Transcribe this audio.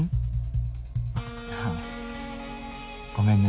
あぁごめんね。